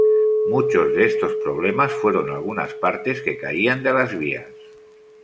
Muchos de estos problemas fueron algunas partes que caían de las vías.